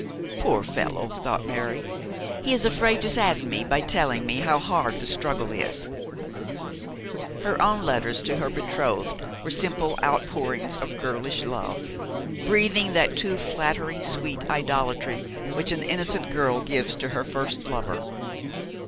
'Poor fellow,' thought Mary. 'He is afraid to sadden me by telling me how hard the struggle is.' Her own letters to her betrothed were simple outpourings of girlish love, breathing that too flattering sweet idolatry which an innocent girl gives to her first lover.